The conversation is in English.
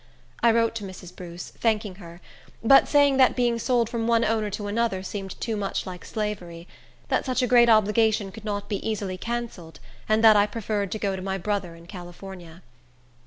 I wrote to Mrs. Bruce, thanking her, but saying that being sold from one owner to another seemed too much like slavery; that such a great obligation could not be easily cancelled; and that I preferred to go to my brother in California.